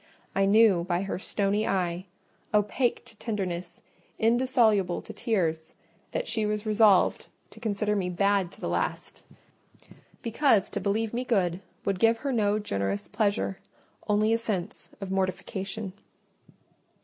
I knew by her stony eye—opaque to tenderness, indissoluble to tears—that she was resolved to consider me bad to the last; because to believe me good would give her no generous pleasure: only a sense of mortification.